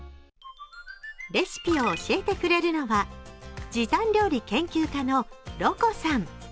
レシピを教えてくれるのは時短料理研究家のろかさん。